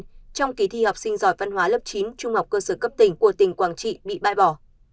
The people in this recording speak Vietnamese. trong kỳ thi học sinh giỏi văn hóa lớp chín trung học cơ sở cấp tỉnh của tỉnh quảng trị bị bãi bỏ